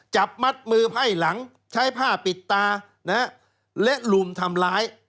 จับมัดมือไพ่หลังใช้ผ้าปิดตาและลุมทำร้าย